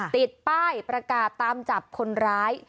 ติดป้ายประกาศตามจับคนร้าย